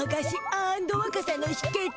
アンドわかさのひけつ！